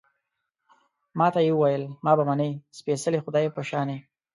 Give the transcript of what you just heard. ما ته يې ویل، ما به منې، سپېڅلي خدای په شانې